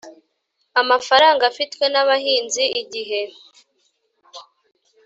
Amafaranga afitwe n abahinzi igihe